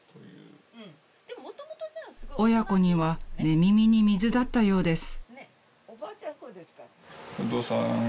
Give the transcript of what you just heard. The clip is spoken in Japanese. ［親子には寝耳に水だったようです］